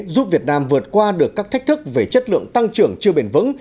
giúp việt nam vượt qua được các thách thức về chất lượng tăng trưởng chưa bền vững